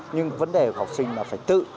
nhưng vấn đề của học sinh là phải tự